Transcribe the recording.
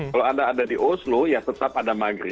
kalau anda ada di oslo ya tetap ada maghrib